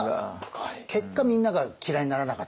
結果みんなが嫌いにならなかった。